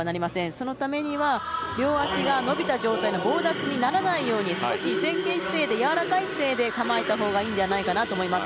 そのためには両足が伸びた状態の棒立ちにならないように少し前傾姿勢やわらかい姿勢で構えたほうがいいのではないかなと思います。